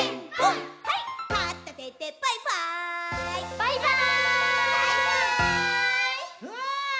バイバーイ！